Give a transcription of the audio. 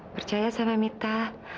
percaya sama mita